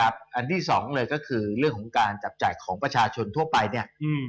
อันที่สองเลยก็คือเรื่องของการจับจ่ายของประชาชนทั่วไปเนี่ย